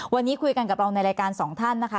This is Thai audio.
วันนี้คุยกันกับเราในรายการสองท่านนะคะ